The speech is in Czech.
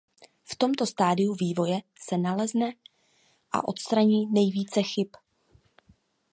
V tomto stádiu vývoje se nalezne a odstraní nejvíce chyb.